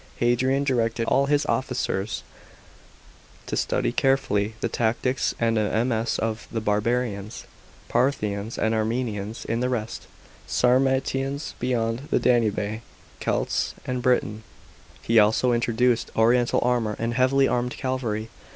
Hadrian directed all his officers to study carefully the tactics and a ms of the bari>ar>ans, Parthians and Armenians in the east, Sarmatians beyond the Danube, Celts in Britain. He also introduced oriental armour and heavily.armed cavalry.